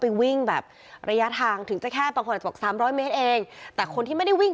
ไปวิ่งแบบระยะทางถึงจะแค่๓๐๐เมตรเองแต่คนที่ไม่ได้วิ่ง